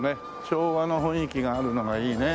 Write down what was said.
昭和の雰囲気があるのがいいね。